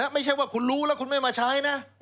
ไม่ใช่ว่าคุณรู้แล้วคุณไม่มาใช้นะ